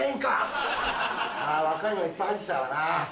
若いのいっぱい入ってきたからな。